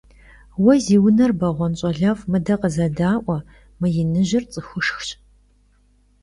Vue zi vuner beğuen ş'alef', mıde khızeda'ue, mı yinıjır ts'ıxuşşxş.